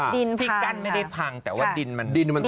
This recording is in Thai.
ที่กั้นไม่ได้พังแต่ว่าดินมันลงมา